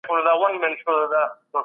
نو اوس لا تمرین وکړئ.